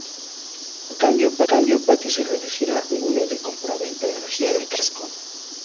A cambio, Patty se reducirá el ángulo de compraventa de energía del caso.